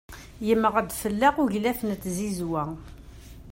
Yemmeɣ-d fell-aɣ uglaf n tzizwa.